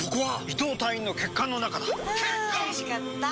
伊藤隊員の血管の中だ！